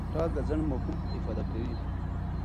ټال د ځنډ مفهوم افاده کوي.